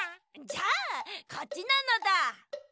じゃあこっちなのだ。